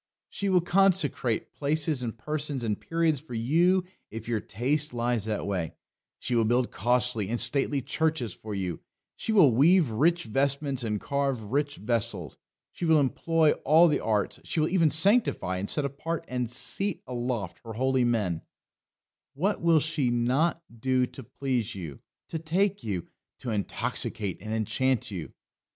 She will consecrate places and persons and periods for you if your taste lies that way; she will build costly and stately churches for you; she will weave rich vestments and carve rich vessels; she will employ all the arts; she will even sanctify and set apart and seat aloft her holy men what will she not do to please you, to take you, to intoxicate and enchant you?